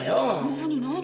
何何？